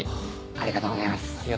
ありがとうございます。